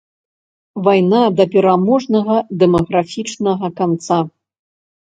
Вайна да пераможнага дэмаграфічнага канца!